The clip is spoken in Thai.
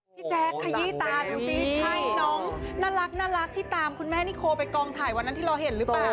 แจ๊คขยี้ตาดูสิใช่น้องน่ารักที่ตามคุณแม่นิโคไปกองถ่ายวันนั้นที่เราเห็นหรือเปล่า